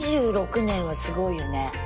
２６年はすごいよね。